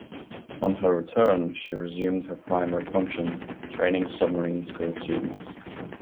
On her return, she resumed her primary function, training submarine school students.